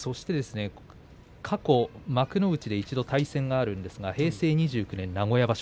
過去幕内で一度対戦があるんですが平成２９年名古屋場所